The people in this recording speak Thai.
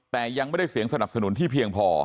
แต่ยังไม่ได้เสียงสนับสนุนที่เพียงพอ